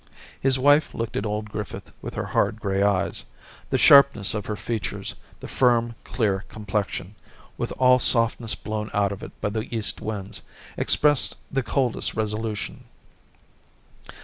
His wife looked at old Griffith with her hard, grey eyes ; the sharpness of her features, the firm, clear complexion, with all softness blown out of it by the east winds, expressed the coldest resolution.